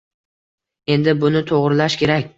Endi buni to‘g‘rilash kerak.